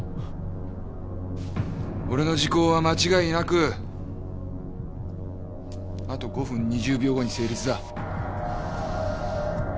俺の時効は間違いなくあと５分２０秒後に成立だ。